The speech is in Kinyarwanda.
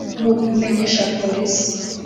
ni ukubimenyesha Polisi